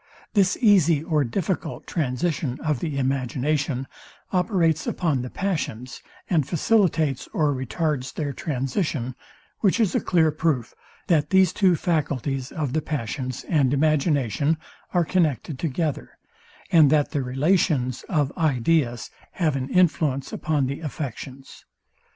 This easy or difficult transition of the imagination operates upon the passions, and facilitates or retards their transition, which is a clear proof, that these two faculties of the passions and imagination are connected together, and that the relations of ideas have an influence upon the affections.